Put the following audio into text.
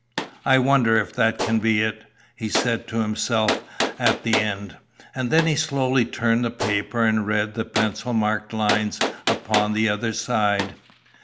"I wonder if that can be it?" he said to himself at the end. And then he slowly turned the paper and read the pencil marked lines upon the other side.